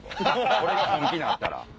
俺が本気になったら。